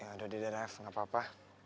ya udah deh reva nggak apa apa